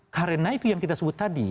karena itu yang kita sebut tadi